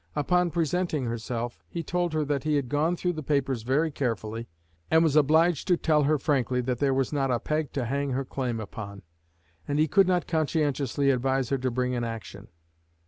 Upon presenting herself, he told her that he had gone through the papers very carefully, and was obliged to tell her frankly that there was "not a peg" to hang her claim upon, and he could not conscientiously advise her to bring an action.